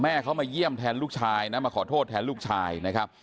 เข้ามาเยี่ยมแทนลูกชายนะมาขอโทษแทนลูกชายนะครับ